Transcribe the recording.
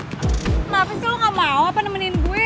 kenapa sih lo gak mau apa nemenin gue